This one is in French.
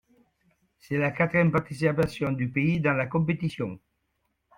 C'est la quatrième participation du pays dans la compétition.